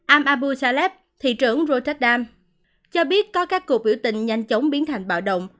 am abu saleb thị trưởng rotterdam cho biết có các cuộc biểu tình nhanh chóng biến thành bạo động